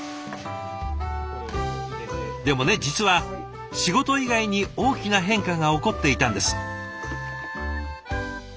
でもね実は仕事以外に大きな変化が起こっていたんです。